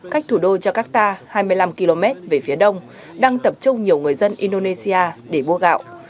cách thủ đô jakarta hai mươi năm km về phía đông đang tập trung nhiều người dân indonesia để mua gạo